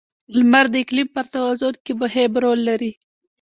• لمر د اقلیم پر توازن کې مهم رول لري.